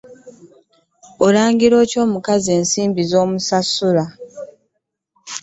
Olangira otya omukozi ensimbi z'omusasula